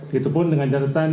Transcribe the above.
kita pun dengan catatan